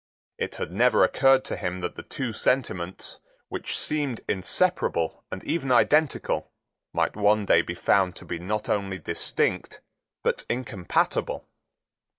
It had never occurred to him that the two sentiments, which seemed inseparable and even identical, might one day be found to be not only distinct but incompatible.